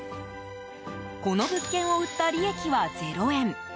この物件を売った利益は０円。